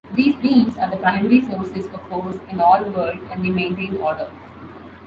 These Beams are the primary sources of force in All-World and they maintain order.